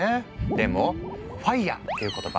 でも「ＦＩＲＥ」っていう言葉